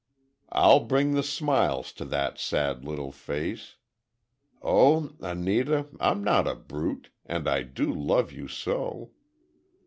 I'll bring the smiles to that sad little face. Oh, Anita, I'm not a brute, and I do love you so.